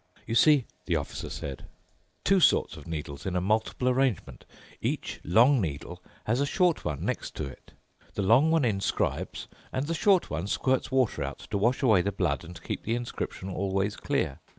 "You see," the Officer said, "two sorts of needles in a multiple arrangement. Each long needle has a short one next to it. The long one inscribes, and the short one squirts water out to wash away the blood and keep the inscription always clear.